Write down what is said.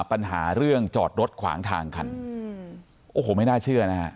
ปัญหาเรื่องจอดรถขวางทางคันโอ้โหไม่น่าเชื่อนะฮะ